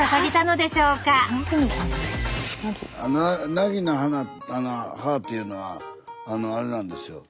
ナギの葉というのはあれなんですよ。